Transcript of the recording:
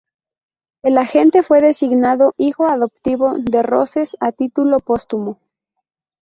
El agente fue designado hijo adoptivo de Roses a título póstumo.